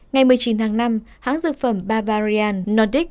ngày một mươi chín tháng năm hãng dược phẩm balvarian nordic